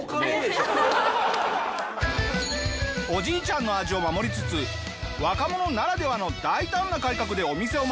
おじいちゃんの味を守りつつ若者ならではの大胆な改革でお店を守る